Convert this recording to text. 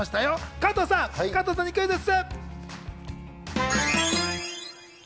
加藤さんにクイズッス！